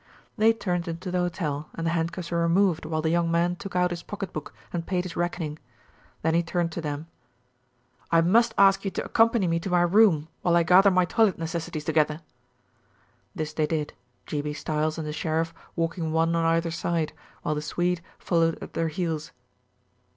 They turned into the hotel, and the handcuffs were removed while the young man took out his pocketbook and paid his reckoning. Then he turned to them. "I must ask you to accompany me to my room while I gather my toilet necessities together." This they did, G. B. Stiles and the sheriff walking one on either side, while the Swede followed at their heels.